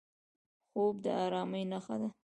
خوب د ارامۍ نښه ده